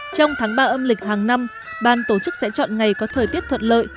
trong tháng ba âm lịch hàng năm ban tổ chức sẽ chọn ngày có thời tiết thuận lợi